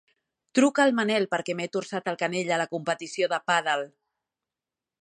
Truca al Manel perquè m'he torçat el canell a la competició de pàdel.